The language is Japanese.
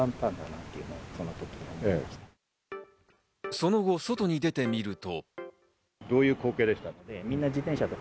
その後、外に出てみると。